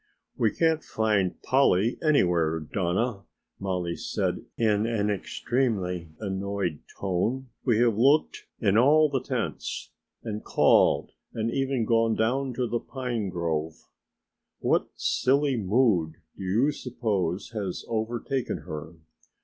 "We can't find Polly anywhere, Donna," Mollie said in an extremely annoyed tone. "We have looked in all the tents and called and even gone down to the pine grove. What silly mood do you suppose has overtaken her?